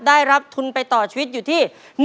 ได้รับทุนไปต่อชีวิตอยู่ที่